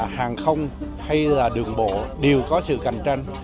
hàng không hay là đường bộ đều có sự cạnh tranh